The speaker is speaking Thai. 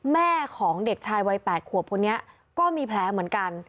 แม่ของเด็กชายวัย๘ขวบคนนี้ก็มีแผลเหมือนกัน